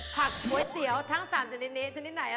ก๋วยเตี๋ยวทั้ง๓ชนิดนี้ชนิดไหน